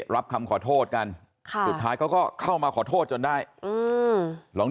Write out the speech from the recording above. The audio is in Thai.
รับคำขอโทษกันค่ะสุดท้ายเขาก็เข้ามาขอโทษจนได้อืมลอง